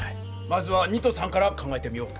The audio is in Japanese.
まずは２と３から考えてみよう。